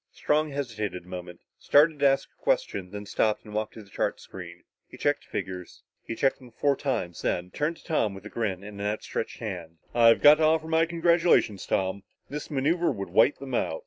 Strong hesitated a moment, started to ask a question, then stopped and walked to the chart screen. He checked the figures. He checked them four times, then turned to Tom with a grin and an outstretched hand. "I've got to offer my congratulations, Tom. This maneuver would wipe them out.